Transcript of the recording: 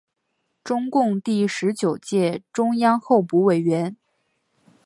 中共第十九届中央候补委员。